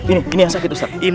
ini ini yang sakit ustaz